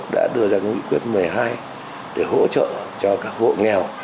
đã đưa ra nghị quyết một mươi hai để hỗ trợ cho các hộ nghèo